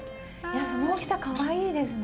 その大きさかわいいですね。